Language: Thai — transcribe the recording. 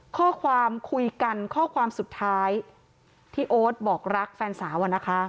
ข้อความคุยทั้งสัตว์ของอธิบายที่โอ๊ดบอกรักแฟนสาว